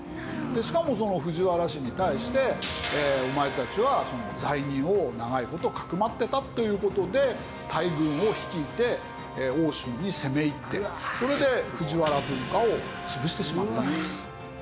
しかもその藤原氏に対してお前たちは罪人を長い事かくまってたっていう事で大軍を率いて奥州に攻め入ってそれで藤原文化を潰してしまったと。